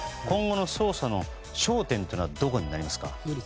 今後の捜査の焦点というのはどこになりますか？